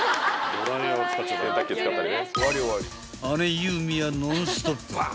［姉有美はノンストップ］